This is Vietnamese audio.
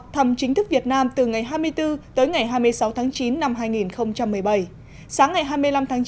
thăm chính thức việt nam từ ngày hai mươi bốn tới ngày hai mươi sáu tháng chín năm hai nghìn hai mươi